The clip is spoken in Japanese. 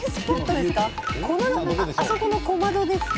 あそこの小窓ですか？